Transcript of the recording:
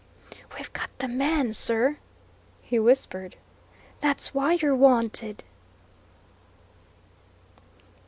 "We've got the man, sir!" he whispered. "That's why you're wanted."